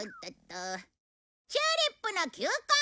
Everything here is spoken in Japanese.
チューリップの球根！